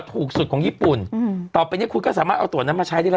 ถูกสุดของญี่ปุ่นอืมต่อไปเนี้ยคุณก็สามารถเอาตัวนั้นมาใช้ได้แล้ว